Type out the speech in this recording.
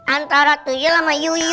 antara tujuh sama yuyu